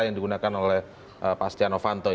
yang digunakan oleh pak stiano fanto